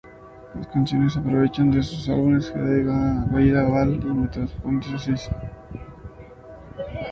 Las canciones provienen de sus álbumes: "Heavy", "In-A-Gadda-Da-Vida", "Ball" y "Metamorphosis".